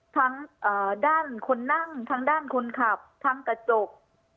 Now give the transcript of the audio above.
ทั้งด้านคนนั่งทั้งด้านคนขับทั้งกระจก